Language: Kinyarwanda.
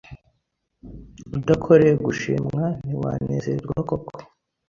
udakoreye gushimwa ntiwanezerwa koko